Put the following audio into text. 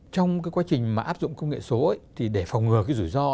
trong cái quá trình mà áp dụng công nghệ số ấy thì để phòng ngừa cái rủi ro